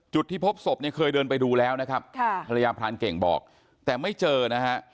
จุดที่พบศพเนี่ยเคยเดินไปดูแล้วนะครับค่ะภรรยาพรานเก่งบอกแต่ไม่เจอนะฮะ